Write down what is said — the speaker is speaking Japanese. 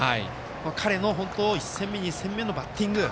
彼の１戦目、２戦目のバッティング